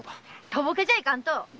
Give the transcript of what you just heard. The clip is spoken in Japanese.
とぼけちゃいかんと！